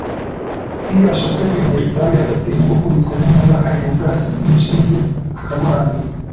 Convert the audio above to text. Iyo ashatse kwinywera itabi adatinya gukubitwa n’inkuba, areba ubwatsi bw’ishinge akabuhambira